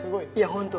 本当。